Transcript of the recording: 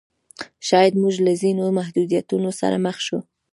شاید موږ له ځینو محدودیتونو سره مخ شو.